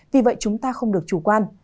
vì vậy chúng ta không được chủ quan